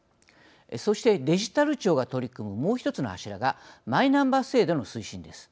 そしてデジタル庁が取り組むもう一つの柱がマイナンバー制度の推進です。